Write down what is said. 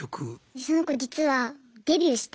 その子実はデビューして。